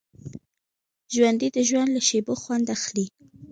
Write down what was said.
ژوندي د ژوند له شېبو خوند اخلي